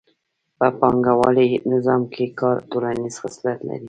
په پانګوالي نظام کې کار ټولنیز خصلت لري